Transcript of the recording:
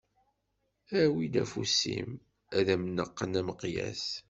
Awi-d afus-im, ad am-neqqen ameqyas.